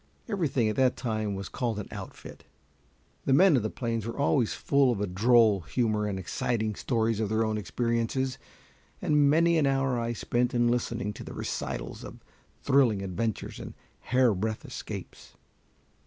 Everything at that time was called an "outfit." The men of the plains were always full of a droll humor and exciting stories of their own experiences, and many an hour I spent in listening to the recitals of thrilling adventures and hairbreadth escapes.